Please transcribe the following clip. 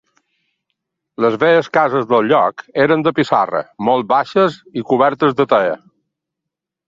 Les velles cases del lloc eren de pissarra, molt baixes i cobertes de teia.